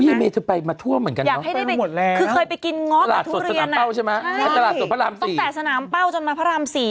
เฮ้ยเมย์จะไปมาทั่วเหมือนกันเนอะ